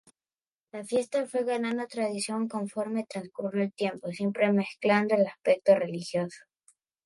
La fiesta fue ganando tradición conforme transcurrió el tiempo, siempre mezclado el aspecto religioso.